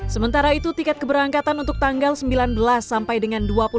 sementara itu tiket keberangkatan untuk tanggal sembilan belas sampai dengan dua puluh satu